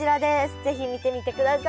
是非見てみてください。